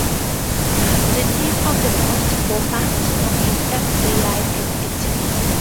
The theme of most "bomba" songs is everyday life and activity.